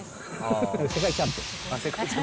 世界チャンピオン。